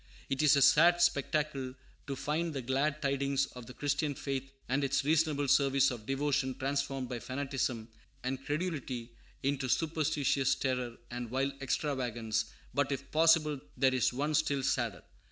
It is a sad spectacle to find the glad tidings of the Christian faith and its "reasonable service" of devotion transformed by fanaticism and credulity into superstitious terror and wild extravagance; but, if possible, there is one still sadder.